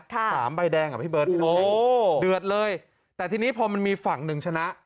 ค่ะสามใบแดงอ่ะพี่เบิร์ตโอ้เดือดเลยแต่ทีนี้พอมันมีฝั่งหนึ่งชนะ